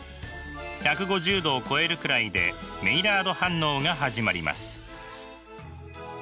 １５０℃を超えるくらいでメイラード反応が始まります。